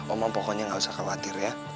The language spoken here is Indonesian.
oma pokoknya gak usah khawatir ya